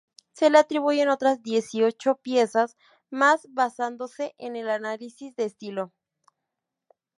Se le atribuyen otras dieciocho piezas más basándose en el análisis de estilo.